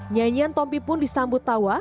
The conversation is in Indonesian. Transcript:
nyanyian tompi pun disambut tawa